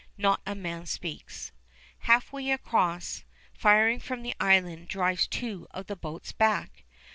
Not a man speaks. Halfway across, firing from the island drives two of the boats back.